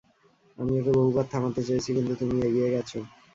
আমি ওকে বহুবার থামাতে চেয়েছি, কিন্তু তুমি এগিয়ে গেছ।